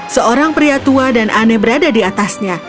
seorang pria tua dan aneh berada di atasnya